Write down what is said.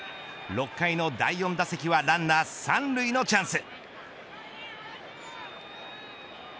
６回の第４打席はランナー３塁のチャンス。